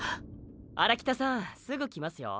荒北さんすぐ来ますよ。